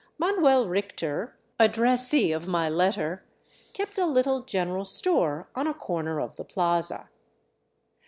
Manuel Richter, addressee of my letter, kept a little general store on a corner of the plaza.